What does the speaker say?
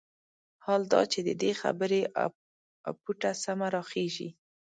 حال دا چې د دې خبرې اپوټه سمه راخېژي.